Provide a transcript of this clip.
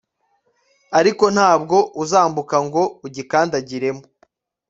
ariko nta bwo uzambuka ngo ugikandagiremo